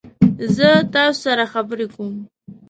زه تاسو سره خبرې کوم.